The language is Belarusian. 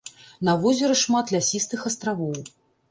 На возеры шмат лясістых астравоў.